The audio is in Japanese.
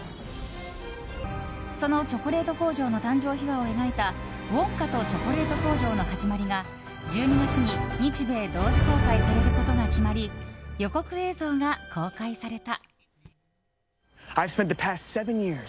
そのチョコレート工場の誕生秘話を描いた「ウォンカとチョコレート工場のはじまり」が１２月に日米同時公開されることが決まり予告映像が公開された。